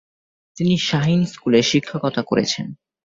তিনি শাহীন স্কুলে শিক্ষকতা করেছেন।